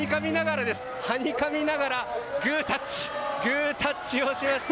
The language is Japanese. はにかみながらグータッチをしました。